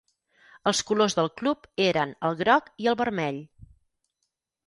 Els colors del club eren el groc i el vermell.